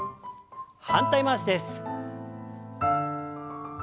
反対回しです。